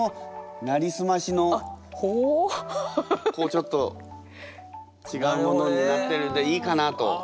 ちょっと違うものになってるんでいいかなと。